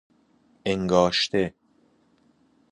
انگاشته